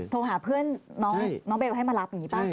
โทรหาเพื่อนน้องเบลให้มารับอย่างนี้ป่ะ